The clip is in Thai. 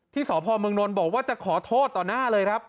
ที่สพมนบอกว่าจะขอโทษต่อหน้าเลยครับ